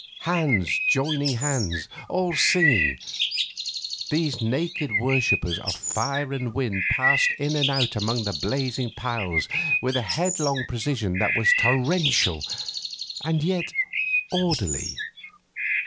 Hands joining hands, all singing, these naked worshippers of fire and wind passed in and out among the blazing piles with a headlong precision that was torrential and yet orderly.